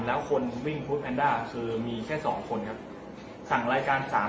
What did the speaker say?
แล้วก็พอเล่ากับเขาก็คอยจับอย่างนี้ครับ